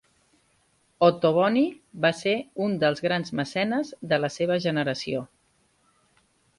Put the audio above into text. Ottoboni va ser un dels grans mecenes de la seva generació.